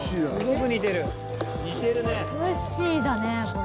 ムッシーだねこれ。